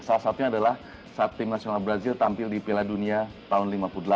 salah satunya adalah saat tim nasional brazil tampil di piala dunia tahun seribu sembilan ratus lima puluh delapan